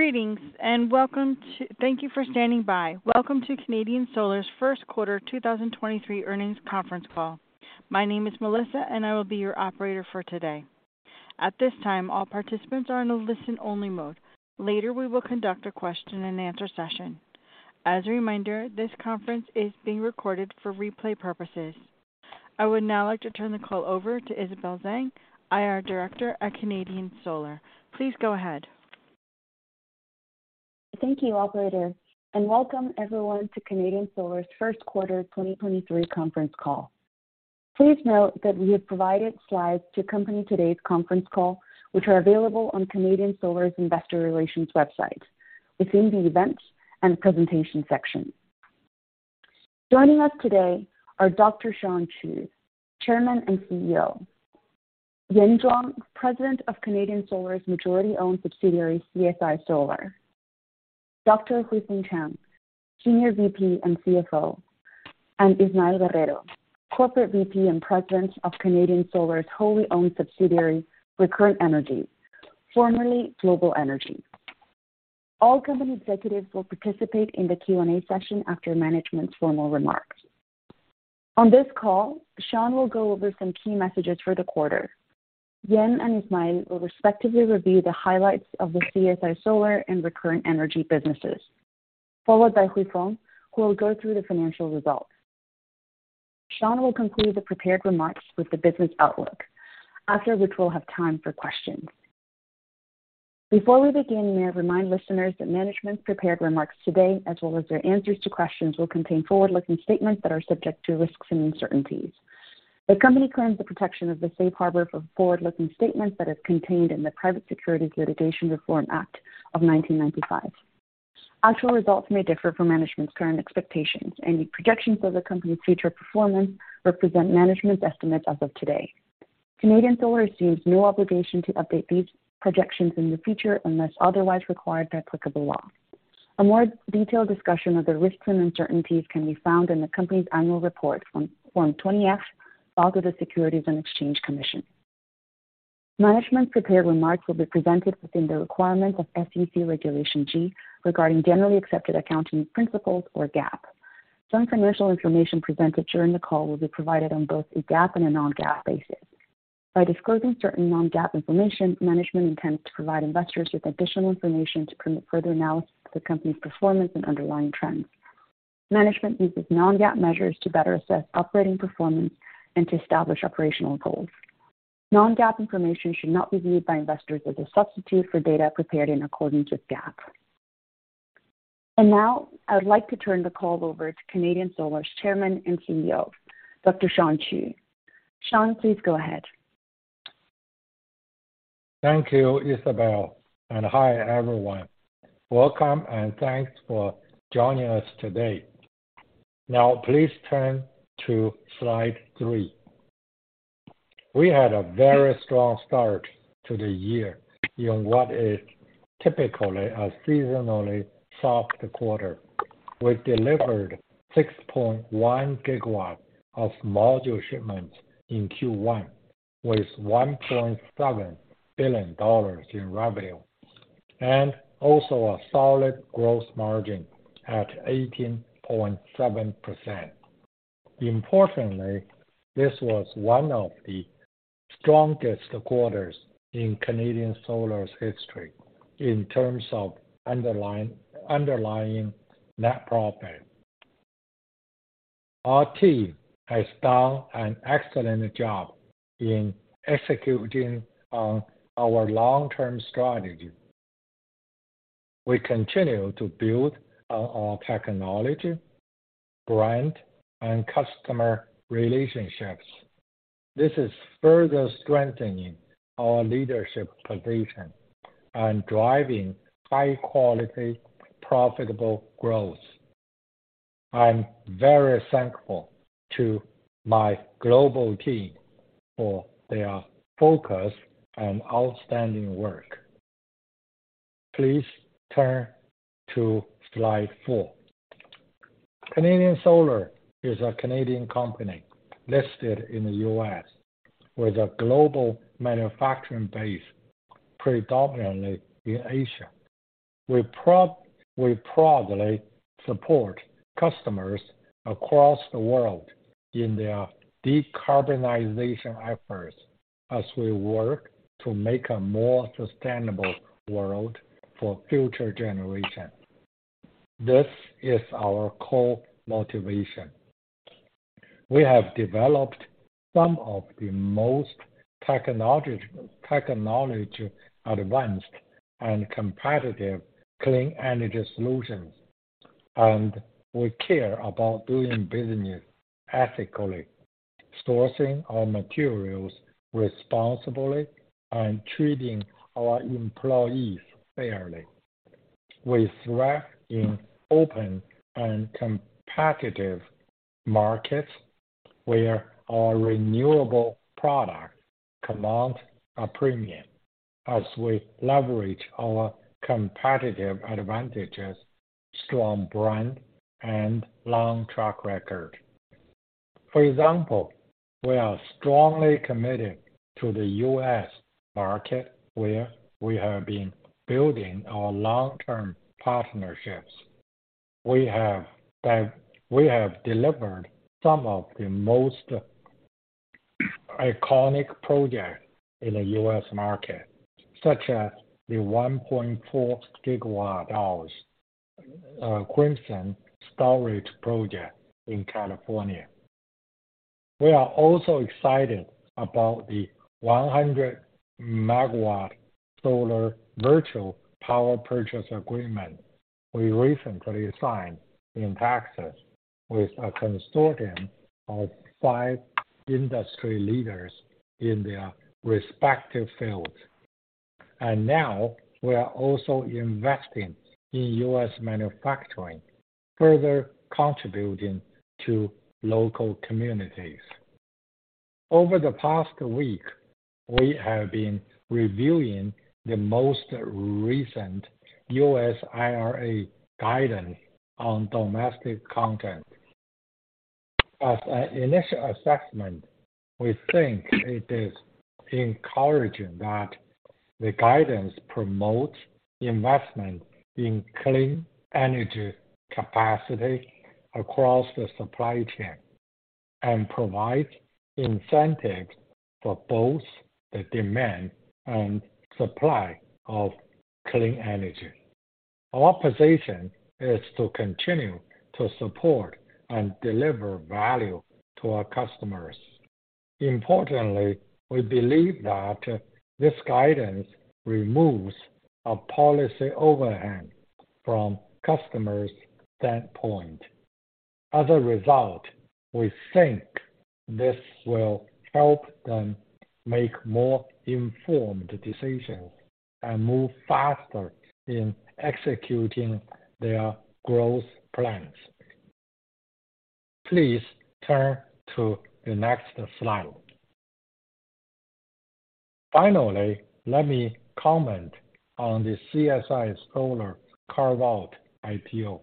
Greetings, thank you for standing by. Welcome to Canadian Solar's Q1 2023 earnings conference call. My name is Melissa, and I will be your operator for today. At this time, all participants are in a listen-only mode. Later, we will conduct a question-and-answer session. As a reminder, this conference is being recorded for replay purposes. I would now like to turn the call over to Isabel Zhang, IR Director at Canadian Solar. Please go ahead. Thank you, operator, welcome everyone to Canadian Solar's Q1 2023 conference call. Please note that we have provided slides to accompany today's conference call, which are available on Canadian Solar's investor relations website within the Events and Presentations section. Joining us today are Dr. Shawn Qu, Chairman and CEO; Yan Zhuang, President of Canadian Solar's majority-owned subsidiary, CSI Solar; Dr. Huifeng Chang, Senior VP and CFO; and Ismael Guerrero, Corporate VP and President of Canadian Solar's wholly-owned subsidiary, Recurrent Energy, formerly Global Energy. All company executives will participate in the Q&A session after management's formal remarks. On this call, Shawn will go over some key messages for the quarter. Yan and Ismael will respectively review the highlights of the CSI Solar and Recurrent Energy businesses, followed by Huifeng, who will go through the financial results. Shawn will conclude the prepared remarks with the business outlook, after which we'll have time for questions. Before we begin, may I remind listeners that management's prepared remarks today, as well as their answers to questions, will contain forward-looking statements that are subject to risks and uncertainties. The company claims the protection of the safe harbor for forward-looking statements that is contained in the Private Securities Litigation Reform Act of 1995. Actual results may differ from management's current expectations. Any projections of the company's future performance represent management's estimates as of today. Canadian Solar assumes no obligation to update these projections in the future unless otherwise required by applicable law. A more detailed discussion of the risks and uncertainties can be found in the company's annual report on Form 20-F filed with the Securities and Exchange Commission. Management's prepared remarks will be presented within the requirement of SEC Regulation G regarding generally accepted accounting principles or GAAP. Some financial information presented during the call will be provided on both a GAAP and a non-GAAP basis. By disclosing certain non-GAAP information, management intends to provide investors with additional information to permit further analysis of the company's performance and underlying trends. Management uses non-GAAP measures to better assess operating performance and to establish operational goals. Non-GAAP information should not be viewed by investors as a substitute for data prepared in accordance with GAAP. Now, I would like to turn the call over to Canadian Solar's Chairman and CEO, Dr. Shawn Qu. Shawn, please go ahead. Thank you, Isabel, and hi everyone. Welcome and thanks for joining us today. Please turn to slide three. We had a very strong start to the year in what is typically a seasonally soft quarter. We delivered 6.1 gigawatts of module shipments in Q1 with $1.7 billion in revenue, and also a solid gross margin at 18.7%. Importantly, this was one of the strongest quarters in Canadian Solar's history in terms of underlying net profit. Our team has done an excellent job in executing on our long-term strategy. We continue to build on our technology, brand, and customer relationships. This is further strengthening our leadership position and driving high-quality, profitable growth. I'm very thankful to my global team for their focus and outstanding work. Please turn to slide four. Canadian Solar is a Canadian company listed in the US with a global manufacturing base predominantly in Asia. We proudly support customers across the world in their decarbonization efforts as we work to make a more sustainable world for future generations. This is our core motivation. We have developed some of the most technology-advanced and competitive clean energy solutions. We care about doing business ethically, sourcing our materials responsibly, and treating our employees fairly. We thrive in open and competitive markets where our renewable products command a premium as we leverage our competitive advantages, strong brand, and long track record. For example, we are strongly committed to the US market where we have been building our long-term partnerships. We have delivered some of the most iconic projects in the U.S. market, such as the 1.4 gigawatt hours, Crimson storage project in California. We are also excited about the 100 megawatt solar virtual power purchase agreement we recently signed in Texas with a consortium of five industry leaders in their respective fields. Now, we are also investing in U.S. manufacturing, further contributing to local communities. Over the past week, we have been reviewing the most recent U.S. IRA guidance on domestic content. As an initial assessment, we think it is encouraging that the guidance promotes investment in clean energy capacity across the supply chain and provide incentives for both the demand and supply of clean energy. Our position is to continue to support and deliver value to our customers. Importantly, we believe that this guidance removes a policy overhang from customers' standpoint. As a result, we think this will help them make more informed decisions and move faster in executing their growth plans. Please turn to the next slide. Finally, let me comment on the CSI Solar carve-out IPO.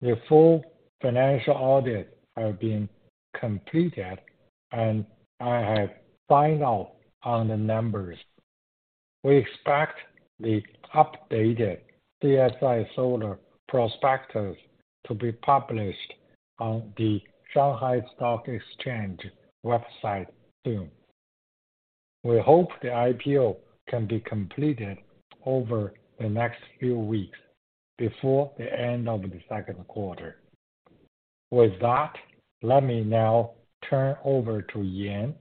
The full financial audit have been completed, and I have signed off on the numbers. We expect the updated CSI Solar prospectus to be published on the Shanghai Stock Exchange website soon. We hope the IPO can be completed over the next few weeks before the end of the Q2. With that, let me now turn over to Yan,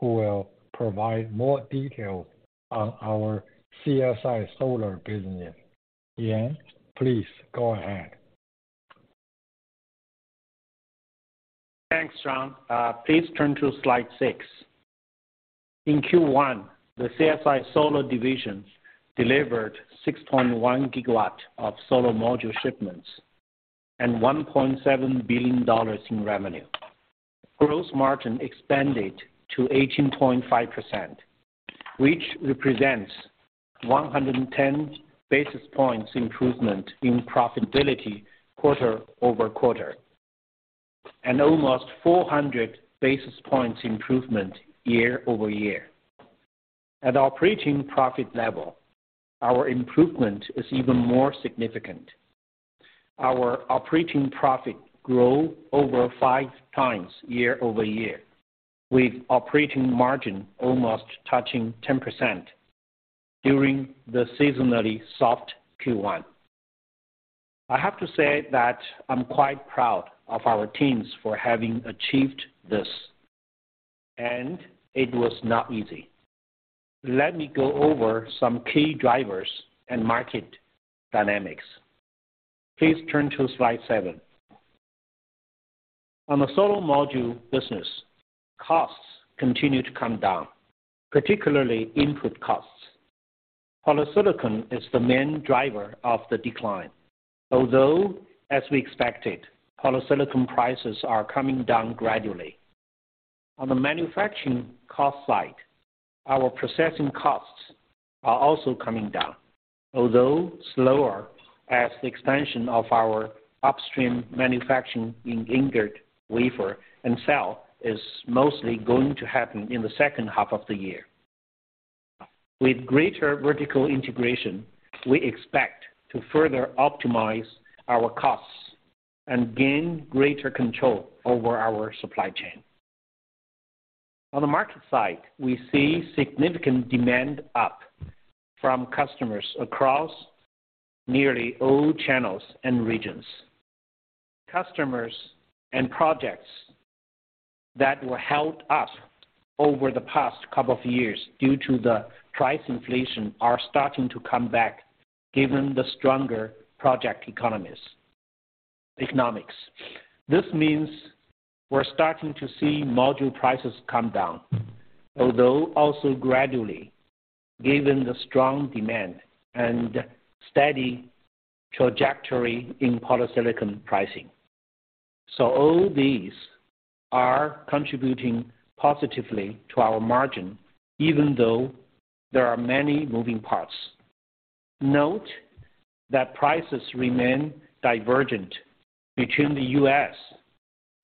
who will provide more detail on our CSI Solar business. Yan, please go ahead. Thanks, Shawn Qu. Please turn to slide six. In Q1, the CSI Solar division delivered 6.1 gigawatt of solar module shipments and $1.7 billion in revenue. Gross margin expanded to 18.5%, which represents 110 basis points improvement in profitability quarter-over-quarter, and almost 400 basis points improvement year-over-year. At operating profit level, our improvement is even more significant. Our operating profit grow over five times year-over-year, with operating margin almost touching 10% during the seasonally soft Q1. I have to say that I'm quite proud of our teams for having achieved this, and it was not easy. Let me go over some key drivers and market dynamics. Please turn to slide seven. On the solar module business, costs continue to come down, particularly input costs. Polysilicon is the main driver of the decline, although, as we expected, polysilicon prices are coming down gradually. On the manufacturing cost side, our processing costs are also coming down, although slower as the expansion of our upstream manufacturing in ingot, wafer, and cell is mostly going to happen in the second half of the year. With greater vertical integration, we expect to further optimize our costs and gain greater control over our supply chain. On the market side, we see significant demand up from customers across nearly all channels and regions. Customers and projects that were held up over the past couple of years due to the price inflation are starting to come back given the stronger project economics. This means we're starting to see module prices come down, although also gradually, given the strong demand and steady trajectory in polysilicon pricing. All these are contributing positively to our margin, even though there are many moving parts. Note that prices remain divergent between the U.S.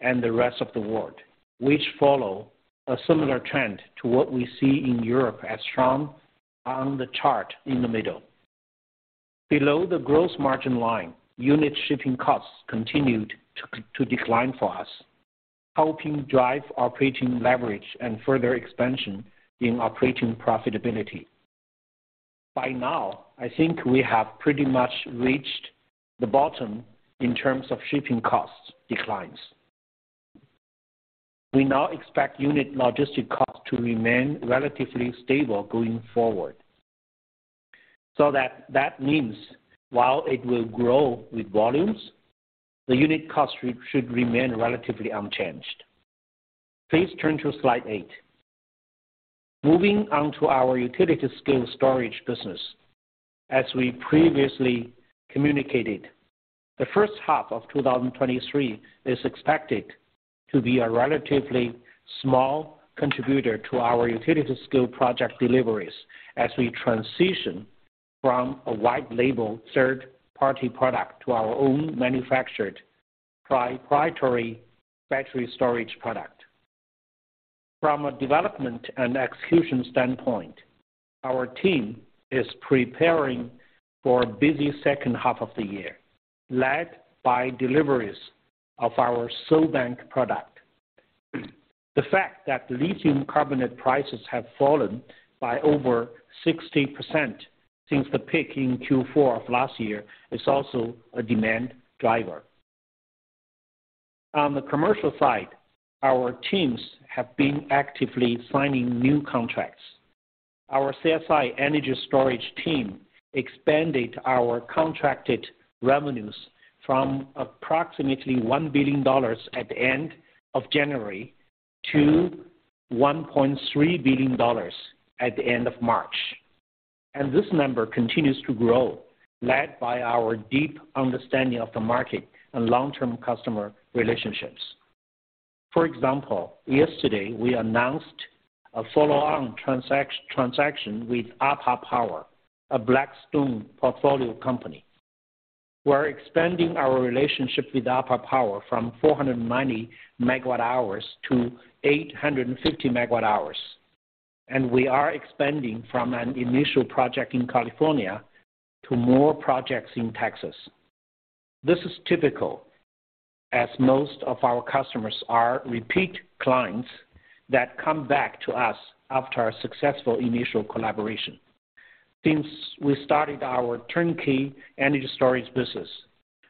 and the rest of the world, which follow a similar trend to what we see in Europe as shown on the chart in the middle. Below the gross margin line, unit shipping costs continued to decline for us, helping drive operating leverage and further expansion in operating profitability. By now, I think we have pretty much reached the bottom in terms of shipping costs declines. We now expect unit logistic costs to remain relatively stable going forward. That means while it will grow with volumes, the unit cost should remain relatively unchanged. Please turn to slide eight. Moving on to our utility scale storage business. As we previously communicated, the first half of 2023 is expected to be a relatively small contributor to our utility-scale project deliveries as we transition from a white-label third-party product to our own manufactured proprietary battery storage product. From a development and execution standpoint, our team is preparing for a busy second half of the year, led by deliveries of our SolBank product. The fact that lithium carbonate prices have fallen by over 60% since the peak in Q4 of last year is also a demand driver. On the commercial side, our teams have been actively signing new contracts. Our CSI energy storage team expanded our contracted revenues from approximately $1 billion at the end of January to $1.3 billion at the end of March. This number continues to grow, led by our deep understanding of the market and long-term customer relationships. For example, yesterday, we announced a follow-on transaction with Aypa Power, a Blackstone portfolio company. We're expanding our relationship with Aypa Power from 490 megawatt hours to 850 megawatt hours, and we are expanding from an initial project in California to more projects in Texas. This is typical as most of our customers are repeat clients that come back to us after a successful initial collaboration. Since we started our turnkey energy storage business,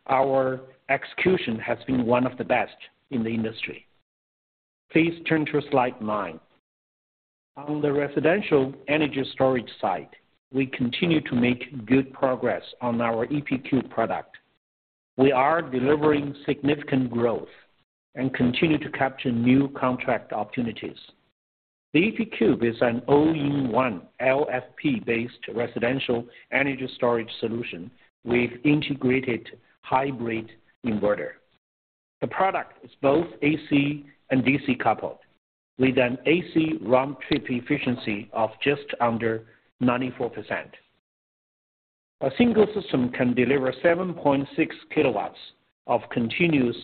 our execution has been one of the best in the industry. Please turn to slide nine. On the residential energy storage side, we continue to make good progress on our EP Cube product. We are delivering significant growth and continue to capture new contract opportunities. The EP Cube is an all-in-one LFP-based residential energy storage solution with integrated hybrid inverter. The product is both AC and DC coupled with an AC round-trip efficiency of just under 94%. A single system can deliver 7.6 kilowatts of continuous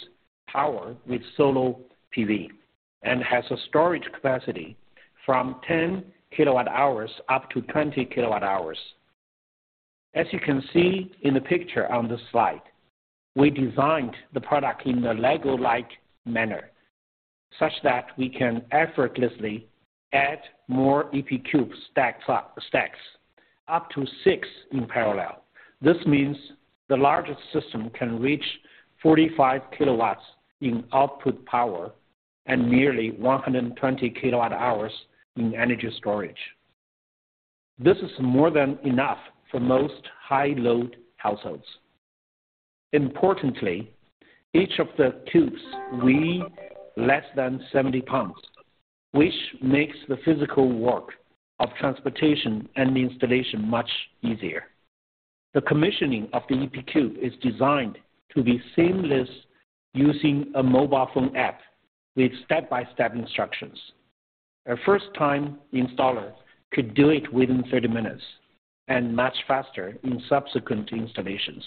power with solar PV and has a storage capacity from 10 kilowatt-hours up to 20 kilowatt-hours. As you can see in the picture on this slide, we designed the product in a Lego-like manner, such that we can effortlessly add more EP Cube stacks up to 6 in parallel. This means the largest system can reach 45 kilowatts in output power and nearly 120 kilowatt-hours in energy storage. This is more than enough for most high-load households. Importantly, each of the cubes weigh less than 70 pounds, which makes the physical work of transportation and installation much easier. The commissioning of the EP Cube is designed to be seamless using a mobile phone app with step-by-step instructions. A first-time installer could do it within 30 minutes and much faster in subsequent installations.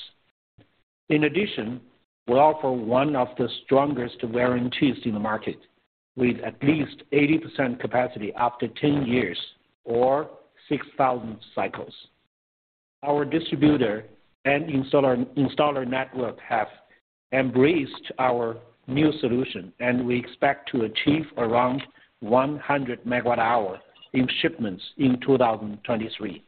In addition, we offer one of the strongest warranties in the market with at least 80% capacity after 10 years or 6,000 cycles. Our distributor and installer network have embraced our new solution, and we expect to achieve around 100 megawatt-hour in shipments in 2023.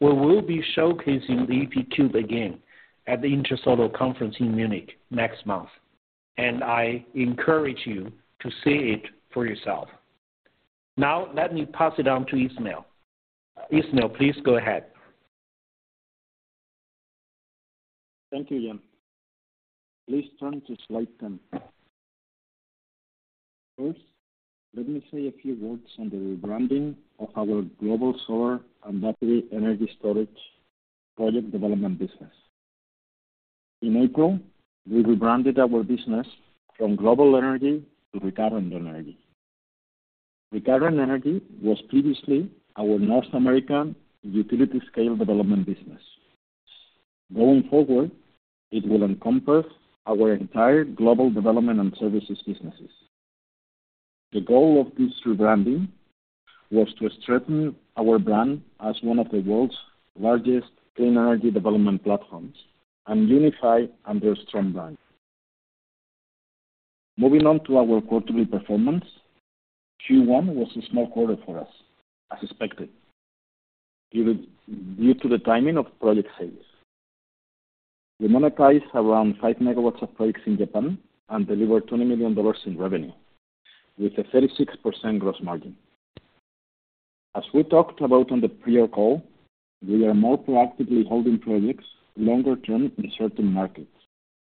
We will be showcasing the EP Cube again at the Intersolar conference in Munich next month. I encourage you to see it for yourself. Let me pass it on to Ismael. Ismael, please go ahead. Thank you, Yan. Please turn to slide 10. First, let me say a few words on the rebranding of our Global Energy and battery energy storage project development business. In April, we rebranded our business from Global Energy to Recurrent Energy. Recurrent Energy was previously our North American utility scale development business. Going forward, it will encompass our entire global development and services businesses. The goal of this rebranding was to strengthen our brand as one of the world's largest clean energy development platforms and unify under a strong brand. Moving on to our quarterly performance. Q1 was a small quarter for us, as expected, due to the timing of project sales. We monetized around 5 MW of projects in Japan and delivered $20 million in revenue, with a 36% gross margin. As we talked about on the prior call, we are more proactively holding projects longer-term in certain markets,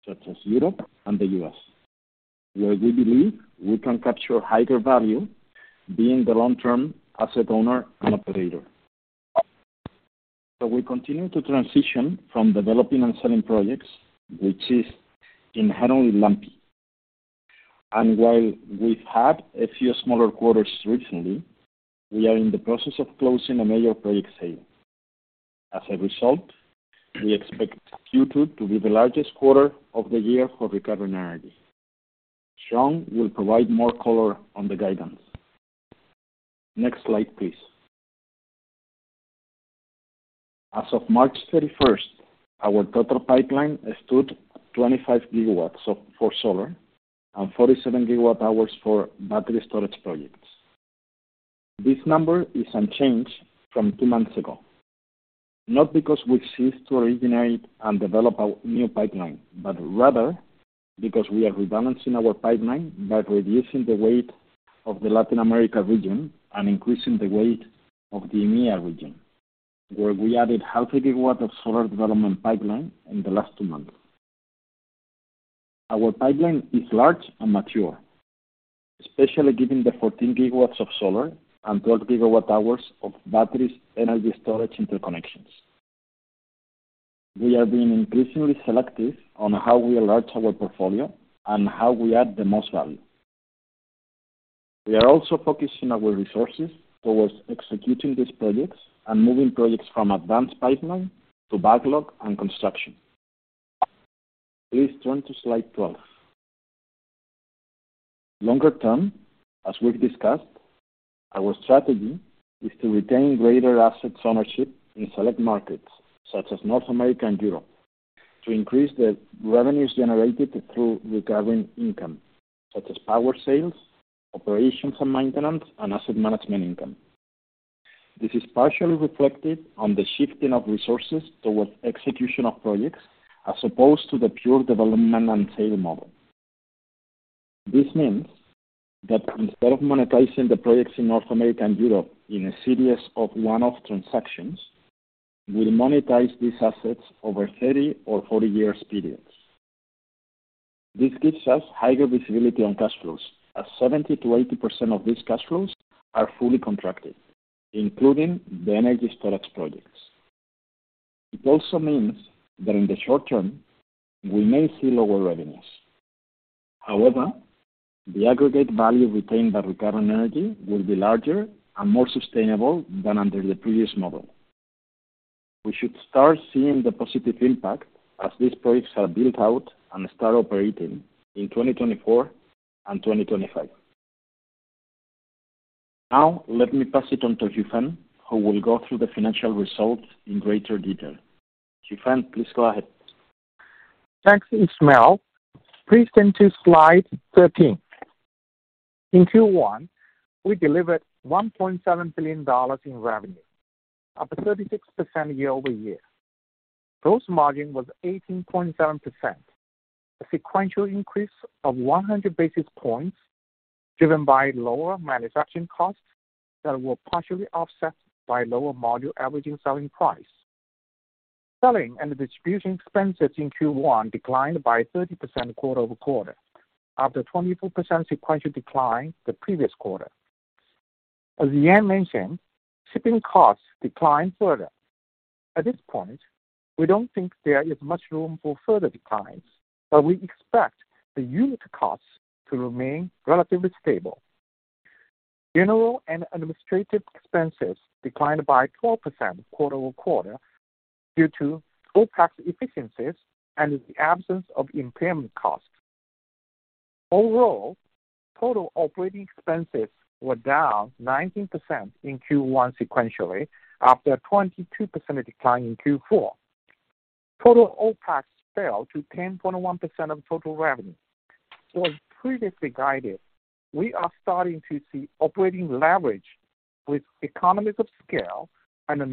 such as Europe and the U.S., where we believe we can capture higher value being the long-term asset owner and operator. We continue to transition from developing and selling projects, which is inherently lumpy. While we've had a few smaller quarters recently, we are in the process of closing a major project sale. As a result, we expect Q2 to be the largest quarter of the year for Recurrent Energy. Shawn will provide more color on the guidance. Next slide, please. As of March 31st, our total pipeline stood at 25 gigawatts for solar and 47 gigawatt hours for battery storage projects. This number is unchanged from two months ago, not because we've ceased to originate and develop our new pipeline, but rather because we are rebalancing our pipeline by reducing the weight of the Latin America region and increasing the weight of the EMEA region, where we added half a gigawatt of solar development pipeline in the last two months. Our pipeline is large and mature, especially given the 14 gigawatts of solar and 12 gigawatt hours of batteries energy storage interconnections. We are being increasingly selective on how we enlarge our portfolio and how we add the most value. We are also focusing our resources towards executing these projects and moving projects from advanced pipeline to backlog and construction. Please turn to slide 12. Longer term, as we've discussed, our strategy is to retain greater assets ownership in select markets such as North America and Europe, to increase the revenues generated through recurring income, such as power sales, operations and maintenance, and asset management income. This is partially reflected on the shifting of resources towards execution of projects as opposed to the pure development and sale model. This means that instead of monetizing the projects in North America and Europe in a series of one-off transactions, we monetize these assets over 30 or 40 years periods. This gives us higher visibility on cash flows as 70%-80% of these cash flows are fully contracted, including the energy storage projects. It also means that in the short-term, we may see lower revenues. However, the aggregate value retained by Recurrent Energy will be larger and more sustainable than under the previous model. We should start seeing the positive impact as these projects are built out and start operating in 2024 and 2025. Let me pass it on to Huifeng, who will go through the financial results in greater detail. Huifeng, please go ahead. Thanks, Ismael. Please turn to slide 13. In Q1, we delivered $1.7 billion in revenue, up 36% year-over-year. Gross margin was 18.7%, a sequential increase of 100 basis points given by lower manufacturing costs that were partially offset by lower module averaging selling price. Selling and distribution expenses in Q1 declined by 30% quarter-over-quarter, after 24% sequential decline the previous quarter. As Yan mentioned, shipping costs declined further. At this point, we don't think there is much room for further declines, but we expect the unit costs to remain relatively stable. General and administrative expenses declined by 12% quarter-over-quarter due to Opex efficiencies and the absence of impairment costs. Overall, total operating expenses were down 19% in Q1 sequentially after a 22% decline in Q4. Total Opex fell to 10.1% of total revenue. As previously guided, we are starting to see operating leverage with economies of scale and a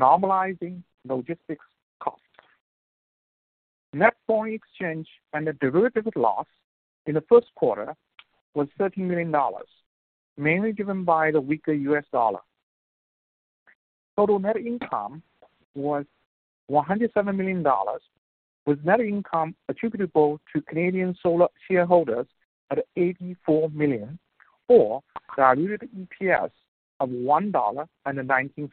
normalizing logistics cost. Net foreign exchange and the derivative loss in the Q1 was $13 million, mainly driven by the weaker US dollar. Total net income was $107 million, with net income attributable to Canadian Solar shareholders at $84 million or diluted EPS of $1.19.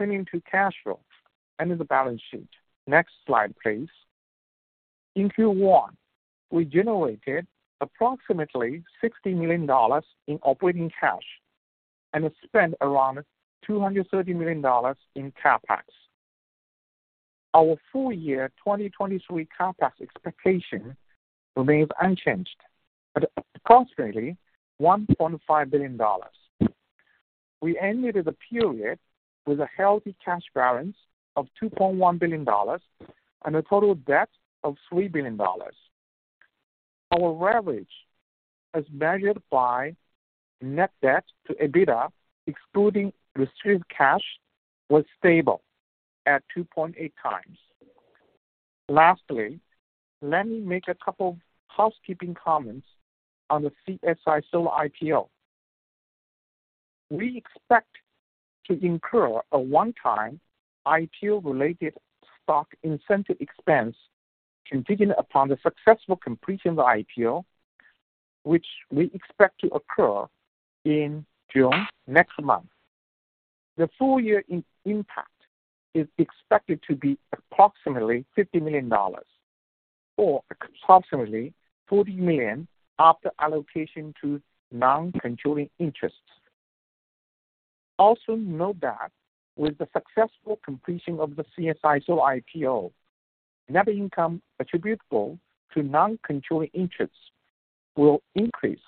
Turning to cash flow and the balance sheet. Next slide, please. In Q1, we generated approximately $60 million in operating cash and spent around $230 million in Capex. Our full year 2023 Capex expectation remains unchanged at approximately $1.5 billion. We ended the period with a healthy cash balance of $2.1 billion and a total debt of $3 billion. Our leverage as measured by net debt to EBITDA, excluding received cash, was stable at 2.8 times. Let me make a couple housekeeping comments on the CSI Solar IPO. We expect to incur a one-time IPO related stock incentive expense contingent upon the successful completion of the IPO, which we expect to occur in June next month. The full year impact is expected to be approximately $50 million or approximately $40 million after allocation to non-controlling interests. Note that with the successful completion of the CSI Solar IPO, net income attributable to non-controlling interests will increase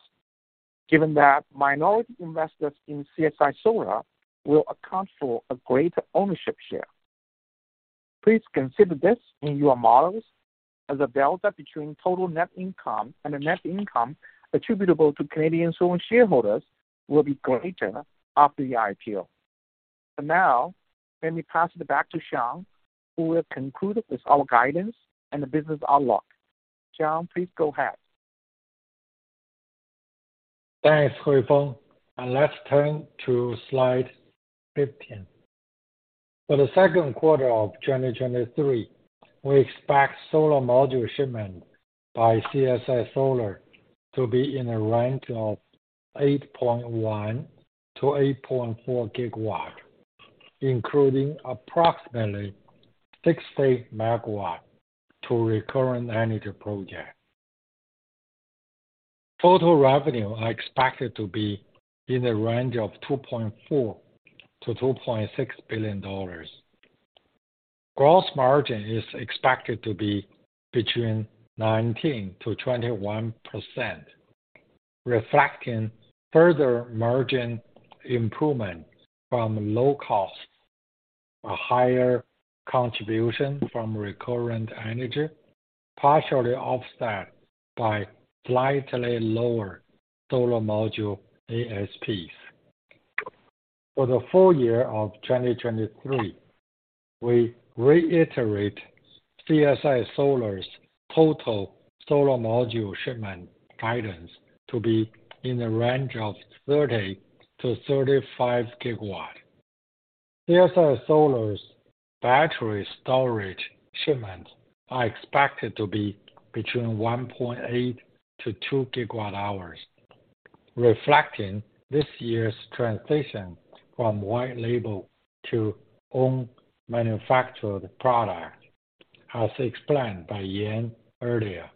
given that minority investors in CSI Solar will account for a greater ownership share. Please consider this in your models as the delta between total net income and the net income attributable to Canadian Solar shareholders will be greater after the IPO. For now, let me pass it back to Shawn, who will conclude with our guidance and the business outlook. Shawn, please go ahead. Thanks, Huifeng. Let's turn to slide 15. For the Q2 of 2023, we expect solar module shipment by CSI Solar to be in a range of 8.1 to 8.4 gigawatt, including approximately 60 megawatt to Recurrent Energy projects. Total revenue are expected to be in the range of $2.4 billion-$2.6 billion. Gross margin is expected to be between 19%-21%, reflecting further margin improvement from low cost, a higher contribution from Recurrent Energy, partially offset by slightly lower solar module ASPs. For the full year of 2023, we reiterate CSI Solar's total solar module shipment guidance to be in the range of 30-35 gigawatt. CSI Solar's battery storage shipments are expected to be between 1.8-2 gigawatt hours, reflecting this year's transition from white label to own manufactured product, as explained by Yan earlier.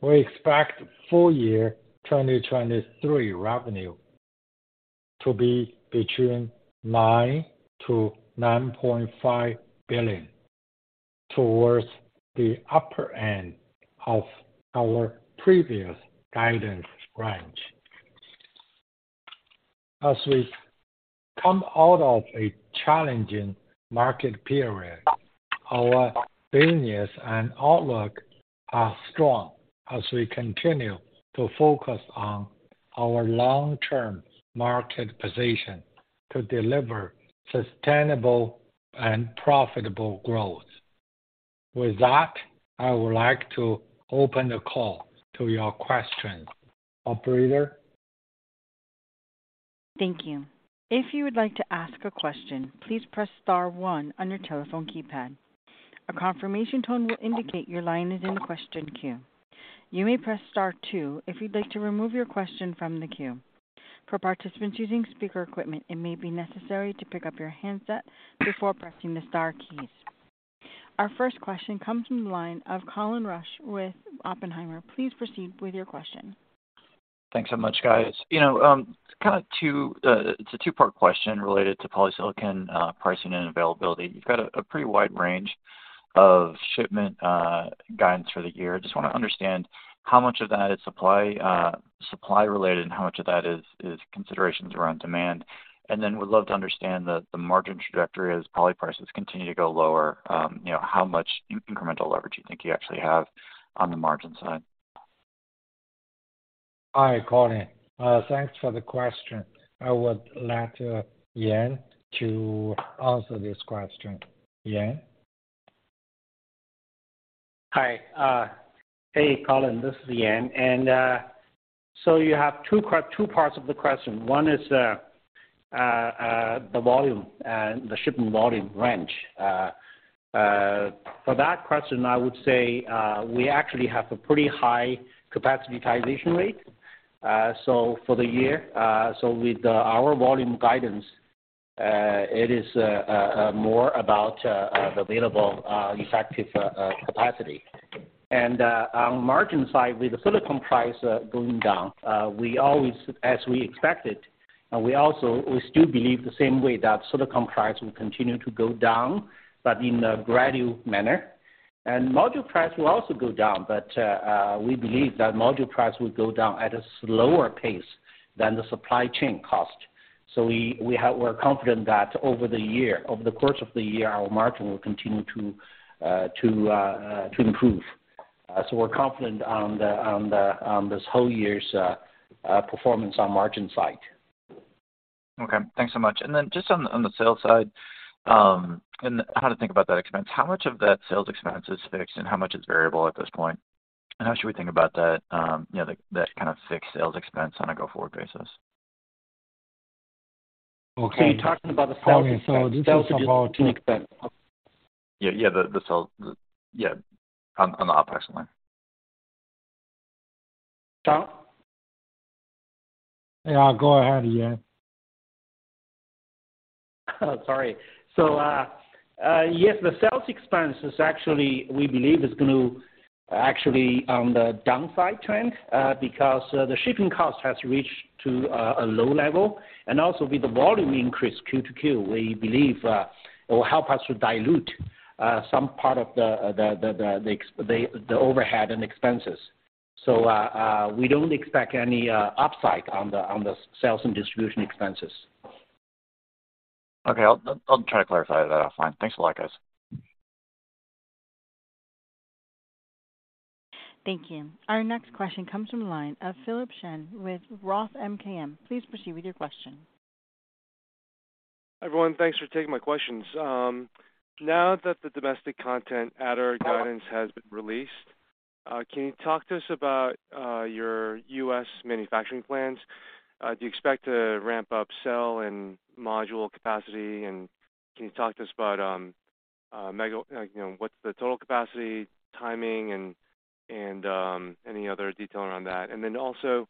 We expect full year 2023 revenue to be between $9 billion-$9.5 billion towards the upper end of our previous guidance range. As we come out of a challenging market period, our business and outlook are strong as we continue to focus on our long-term market position to deliver sustainable and profitable growth. With that, I would like to open the call to your questions. Operator? Thank you. If you would like to ask a question, please press star one on your telephone keypad. A confirmation tone will indicate your line is in the question queue. You may press star two if you'd like to remove your question from the queue. For participants using speaker equipment, it may be necessary to pick up your handset before pressing the star keys. Our first question comes from the line of Colin Rusch with Oppenheimer. Please proceed with your question. Thanks so much, guys. You know, it's a two-part question related to polysilicon pricing and availability. You've got a pretty wide range of shipment guidance for the year. Just wanna understand how much of that is supply related and how much of that is considerations around demand. Then would love to understand the margin trajectory as poly prices continue to go lower, you know, how much incremental leverage you think you actually have on the margin side? Hi, Colin. Thanks for the question. I would like Yan to answer this question. Yan? Hi. Hey, Colin, this is Yan. You have 2 parts of the question. One is the volume and the shipping volume range. For that question, I would say, we actually have a pretty high capacity utilization rate for the year. With the our volume guidance, it is a more about the available effective capacity. On margin side, with the silicon price going down, we always as we expected, we still believe the same way that silicon price will continue to go down, but in a gradual manner. Module price will also go down, but we believe that module price will go down at a slower pace than the supply chain cost. We're confident that over the year, over the course of the year, our margin will continue to improve. We're confident on the whole year's performance on margin side. Okay. Thanks so much. Just on the sales side, and how to think about that expense. How much of that sales expense is fixed and how much is variable at this point? How should we think about that, you know, that kind of fixed sales expense on a go-forward basis? Okay. You're talking about the sales expense. Sales and distribution expense. Yeah, the sales. Yeah, on the Opex line. Shawn? Yeah, go ahead, Yan. Sorry. Yes, the sales expense is actually, we believe is gonna actually on the downside trend because the shipping cost has reached to a low level. Also with the volume increase Q to Q, we believe it will help us to dilute some part of the overhead and expenses. We don't expect any upside on the sales and distribution expenses. Okay. I'll try to clarify that. Fine. Thanks a lot, guys. Thank you. Our next question comes from the line of Philip Shen with Roth MKM. Please proceed with your question. Everyone, thanks for taking my questions. Now that the domestic content adder guidance has been released, can you talk to us about your U.S. manufacturing plans? Do you expect to ramp up cell and module capacity? Can you talk to us about like, you know, what's the total capacity, timing and any other detail around that? Also,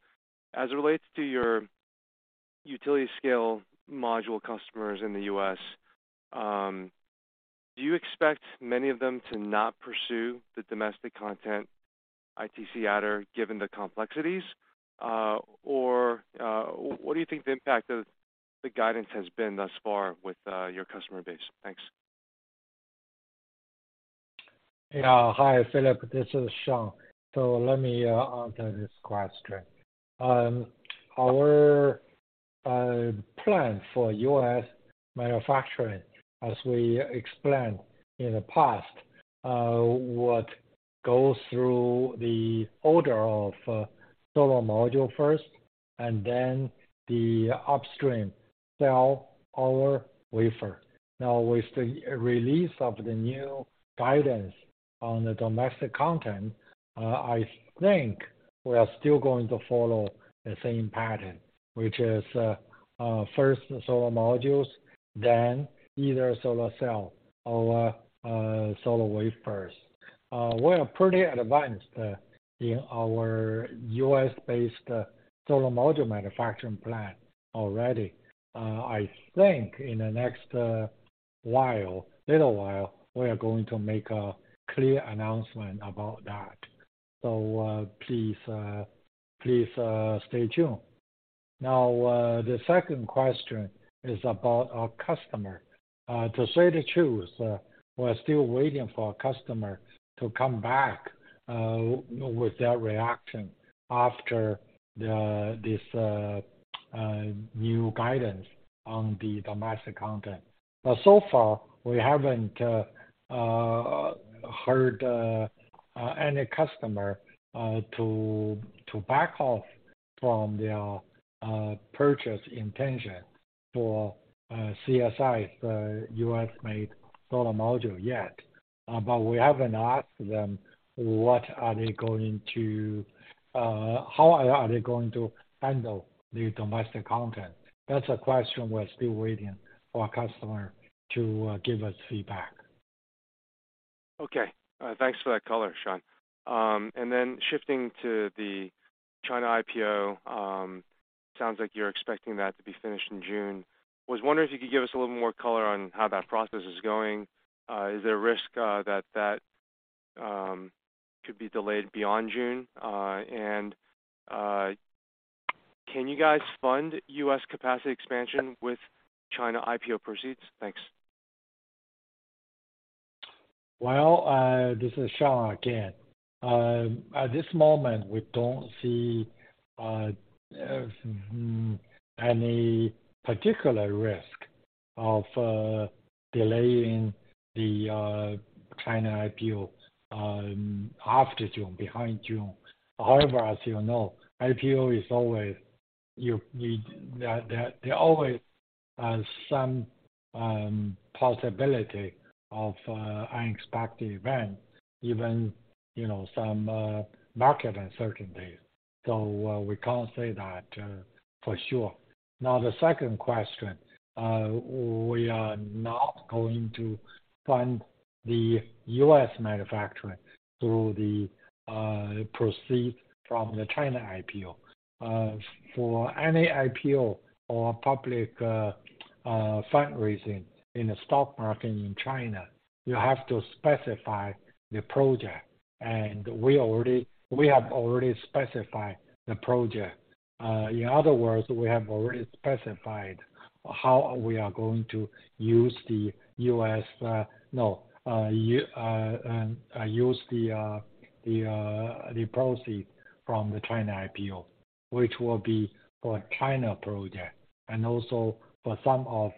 as it relates to your utility scale module customers in the U.S., do you expect many of them to not pursue the domestic content ITC adder given the complexities? What do you think the impact of the guidance has been thus far with your customer base? Thanks. Yeah. Hi, Philip Shen. This is Shawn Qu. Let me answer this question. Our plan for U.S. manufacturing, as we explained in the past, would go through the order of solar module first and then the upstream cell or wafer. With the release of the new guidance on the domestic content, I think we are still going to follow the same pattern, which is first the solar modules, then either solar cell or solar wafers. We are pretty advanced in our U.S.-based solar module manufacturing plant already. I think in the next little while, we are going to make a clear announcement about that. Please stay tuned. The second question is about our customer. To say the truth, we're still waiting for customer to come back with their reaction after the, this, new guidance on the domestic content. So far, we haven't heard any customer to back off from their purchase intention for CSI's U.S.-made solar module yet. We haven't asked them what are they going to... how are they going to handle the domestic content. That's a question we're still waiting for customer to give us feedback. Okay. Thanks for that color, Shawn. Shifting to the China IPO, sounds like you're expecting that to be finished in June. Was wondering if you could give us a little more color on how that process is going. Is there a risk that could be delayed beyond June? Can you guys fund U.S. capacity expansion with China IPO proceeds? Thanks. Well, this is Shawn again. At this moment, we don't see any particular risk of delaying the China IPO after June, behind June. However, as you know, IPO is always, there always some possibility of unexpected event, even, you know, some market uncertainty. We can't say that for sure. Now, the second question. We are not going to fund the U.S. manufacturing through the proceed from the China IPO. For any IPO or public fundraising in the stock market in China, you have to specify the project. We have already specified the project. In other words, we have already specified how we are going to use the proceed from the China IPO, which will be for China project and also for some of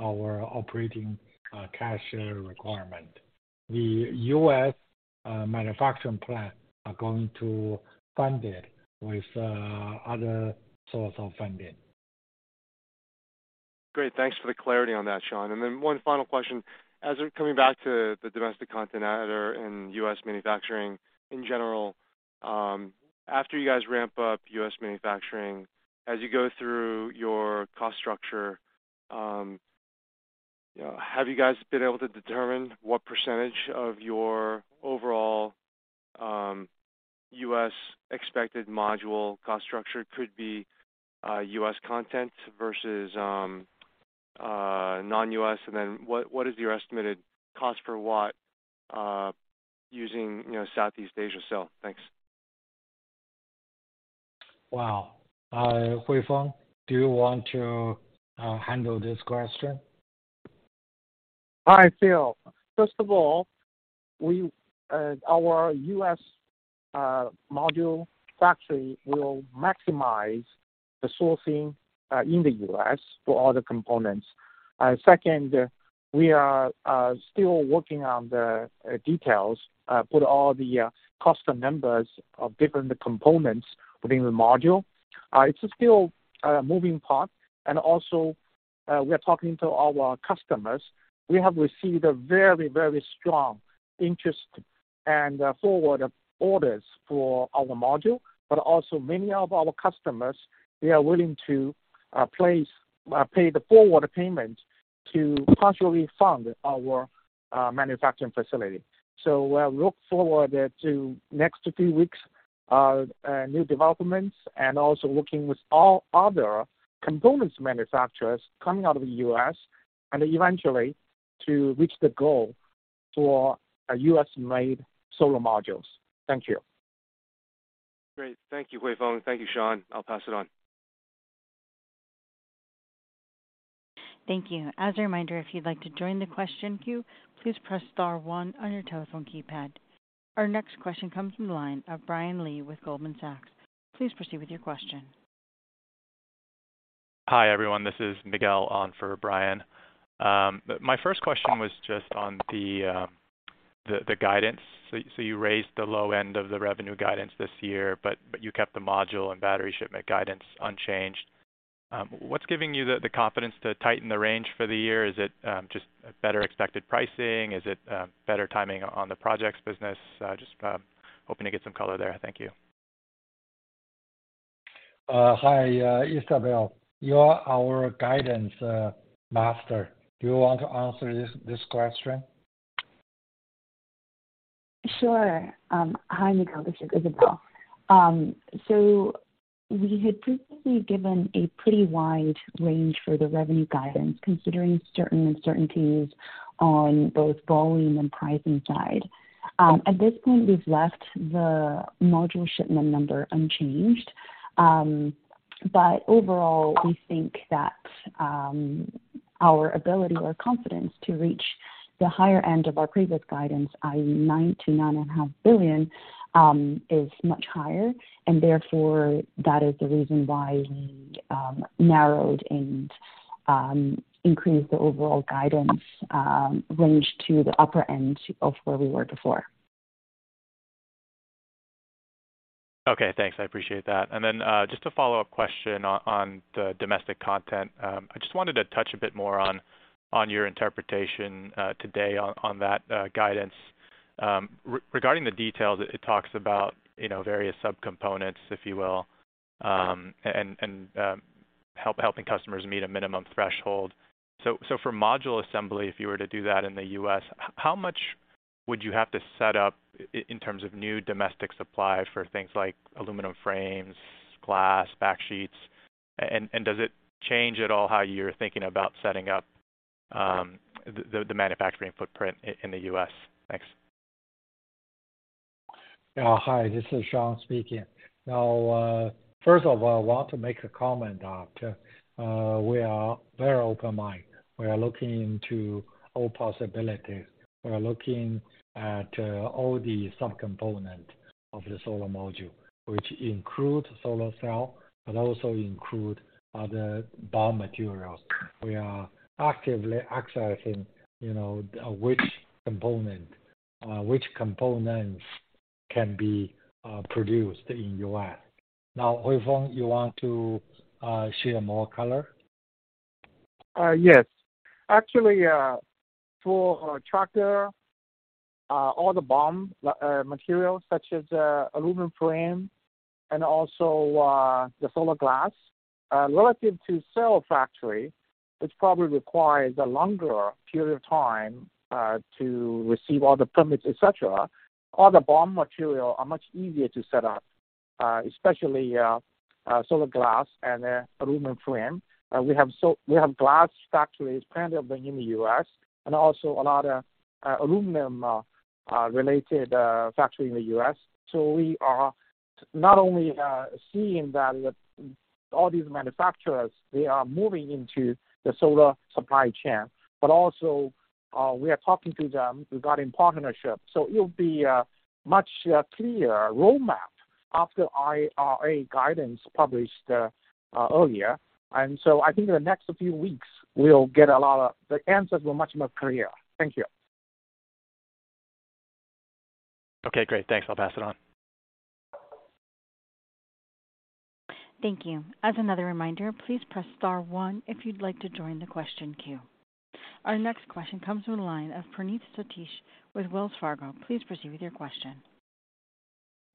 our operating cash requirement. The U.S. manufacturing plant are going to fund it with other source of funding. Great, thanks for the clarity on that, Shawn. Then one final question. As we're coming back to the domestic content adder and US manufacturing in general, after you guys ramp up US manufacturing, as you go through your cost structure, you know, have you guys been able to determine what percentage of your overall, US expected module cost structure could be, US content versus, non-US? Then what is your estimated cost per watt, using, you know, Southeast Asia cell? Thanks. Wow. Huifeng, do you want to handle this question? Hi, Phil. First of all, we, our U.S. module factory will maximize the sourcing in the U.S. for all the components. Second, we are still working on the details, put all the custom numbers of different components within the module. It's still a moving part. Also, we are talking to our customers. We have received a very, very strong interest and forward orders for our module, but also many of our customers, they are willing to place, pay the forward payment to partially fund our manufacturing facility. We look forward to next few weeks, new developments and also working with all other components manufacturers coming out of the U.S., and eventually to reach the goal for a U.S.-made solar modules. Thank you. Great. Thank you, Huifeng. Thank you, Shawn. I'll pass it on. Thank you. As a reminder, if you'd like to join the question queue, please press star one on your telephone keypad. Our next question comes from the line of Brian Lee with Goldman Sachs. Please proceed with your question. Hi, everyone. This is Miguel on for Brian. My first question was just on the guidance. You raised the low end of the revenue guidance this year, but you kept the module and battery shipment guidance unchanged. What's giving you the confidence to tighten the range for the year? Is it just better expected pricing? Is it better timing on the projects business? Just hoping to get some color there. Thank you. Hi, Isabel. You're our guidance, master. Do you want to answer this question? Sure. Hi, Miguel. This is Isabel. We had previously given a pretty wide range for the revenue guidance considering certain uncertainties on both volume and pricing side. At this point, we've left the module shipment number unchanged. Overall, we think that our ability or confidence to reach the higher end of our previous guidance, i.e., nine to nine and a half billion, is much higher, and therefore, that is the reason why we narrowed and increased the overall guidance range to the upper end of where we were before. Okay, thanks. I appreciate that. Just a follow-up question on the domestic content. I just wanted to touch a bit more on your interpretation today on that guidance. Regarding the details, it talks about, you know, various subcomponents, if you will, and helping customers meet a minimum threshold. For module assembly, if you were to do that in the U.S., how much would you have to set up in terms of new domestic supply for things like aluminum frames, glass, back sheets? And does it change at all how you're thinking about setting up the manufacturing footprint in the U.S.? Thanks. Hi. This is Shawn Qu speaking. Now, first of all, I want to make a comment that we are very open mind. We are looking into all possibilities. We are looking at all the subcomponent of the solar module, which include solar cell, but also include other BOM materials. We are actively accessing, you know, which component, which components can be produced in U.S. Now, Huifeng Chang, you want to share more color? Yes. Actually, for tractor, all the BOM materials such as aluminum frame and also the solar glass. Relative to cell factory, which probably requires a longer period of time, to receive all the permits, et cetera, all the BOM material are much easier to set up, especially solar glass and the aluminum frame. We have so... We have glass factories currently up and in the U.S. and also a lot of aluminum related factory in the U.S. We are not only seeing that all these manufacturers, they are moving into the solar supply chain, but also we are talking to them regarding partnership. It will be a much clear roadmap after IRA guidance published earlier. I think in the next few weeks we'll get a lot of. The answers were much more clear. Thank you. Okay, great. Thanks. I'll pass it on. Thank you. As another reminder, please press star one if you'd like to join the question queue. Our next question comes from the line of Praneeth Satish with Wells Fargo. Please proceed with your question.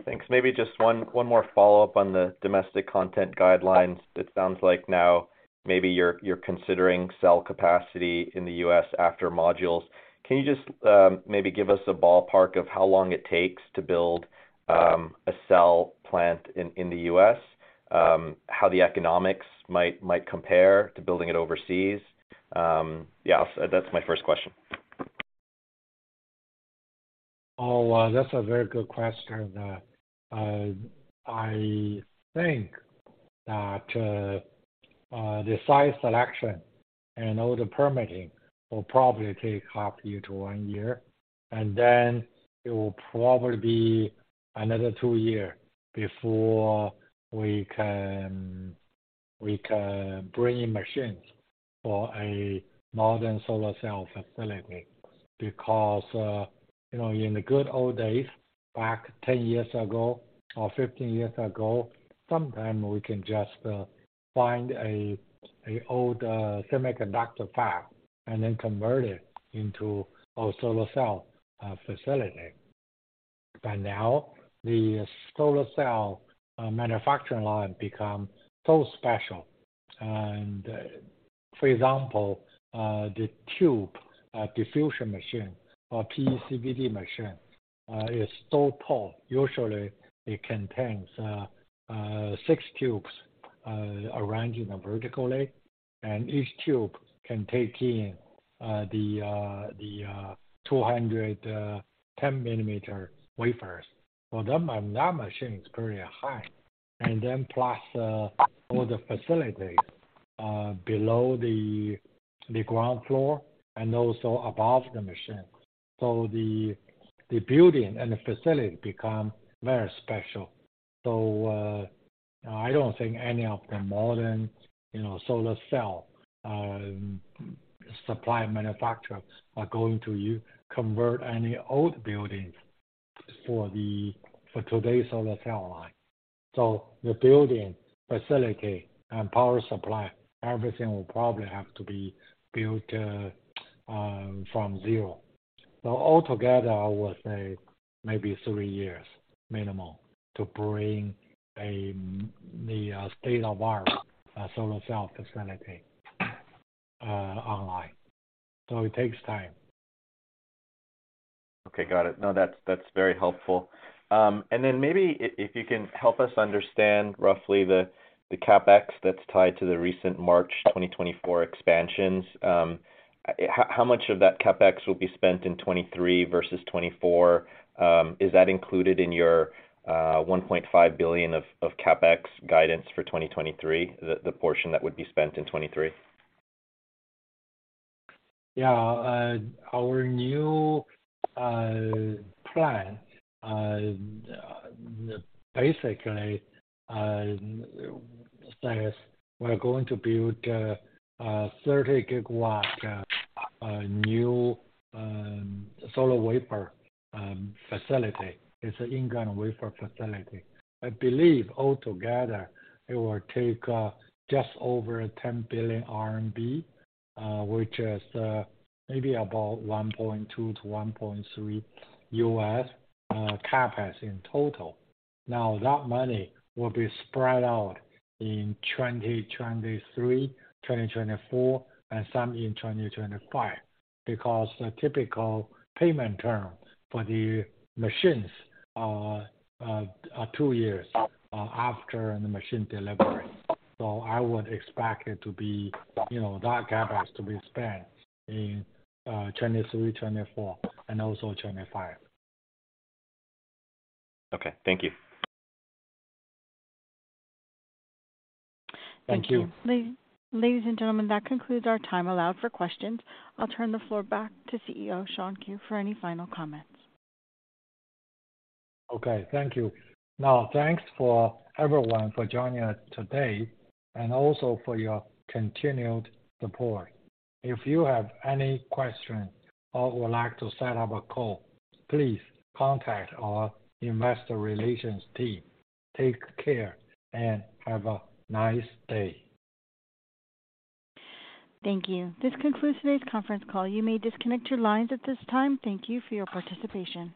Thanks. Maybe just one more follow-up on the domestic content guidelines. It sounds like now maybe you're considering cell capacity in the US after modules. Can you just maybe give us a ballpark of how long it takes to build a cell plant in the US? How the economics might compare to building it overseas. Yeah, that's my first question. That's a very good question. I think that the site selection and all the permitting will probably take half year to 1 year. It will probably be another 2 year before we can bring in machines for a modern solar cell facility. You know, in the good old days, back 10 years ago or 15 years ago, sometimes we can just find a old semiconductor fab and then convert it into a solar cell facility. Now the solar cell manufacturing line become so special. For example, the tube diffusion machine or PECVD machine is so tall. Usually it contains 6 tubes arranged in a vertically, and each tube can take in the 210 millimeter wafers. That machine is pretty high. Plus, all the facilities below the ground floor and also above the machine. The, the building and the facility become very special. I don't think any of the modern, you know, solar cell supply manufacturers are going to convert any old buildings for the, for today's solar cell line. The building, facility and power supply, everything will probably have to be built from zero. Altogether, I would say maybe 3 years minimum to bring a, the state-of-art solar cell facility online. It takes time. Okay, got it. No, that's very helpful. Then maybe if you can help us understand roughly the Capex that's tied to the recent March 2024 expansions. How much of that Capex will be spent in 2023 versus 2024? Is that included in your $1.5 billion of Capex guidance for 2023, the portion that would be spent in 2023? Yeah. Our new plan basically says we're going to build a 30 gigawatt new solar wafer facility. It's an ingot wafer facility. I believe altogether it will take just over $10 billion RMB, which is maybe about $1.2 billion-$1.3 billion US Capex in total. That money will be spread out in 2023, 2024, and some in 2025, because the typical payment term for the machines are two years after the machine delivery. I would expect it to be, you know, that Capex to be spent in 2023, 2024 and also 2025. Okay. Thank you. Thank you. Thank you. ladies and gentlemen, that concludes our time allowed for questions. I'll turn the floor back to CEO Shawn Qu for any final comments. Okay. Thank you. Thanks for everyone for joining us today and also for your continued support. If you have any questions or would like to set up a call, please contact our investor relations team. Take care, and have a nice day. Thank you. This concludes today's conference call. You may disconnect your lines at this time. Thank you for your participation.